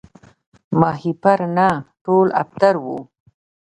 ماهیپر نه ټول ابتر وو